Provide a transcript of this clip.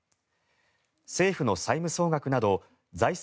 政府の債務総額など財政